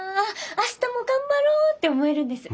明日も頑張ろう」って思えるんです。